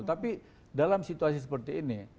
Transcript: tapi dalam situasi seperti ini